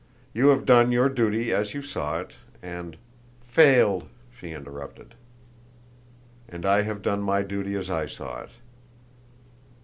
"You have done your duty as you saw it, and " "Failed!" she interrupted. "And I have done my duty as I saw it."